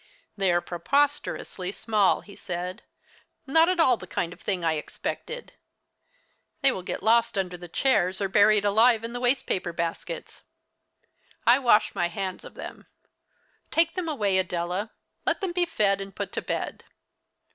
"They are preposterously small," he said "not at all the kind of thing I expected. They will get lost under chairs or buried alive in waste paper baskets. I wash my hands of them, Take them away, Adela. Let them be fed and put to bed."